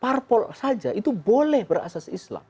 parpol saja itu boleh berasas islam